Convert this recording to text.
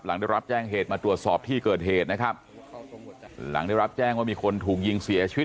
หลังได้รับแจ้งเหตุมาตรวจสอบที่เกิดเหตุนะครับหลังได้รับแจ้งว่ามีคนถูกยิงเสียชีวิต